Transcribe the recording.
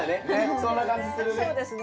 そんな感じするね。